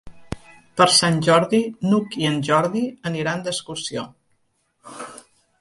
Per Sant Jordi n'Hug i en Jordi aniran d'excursió.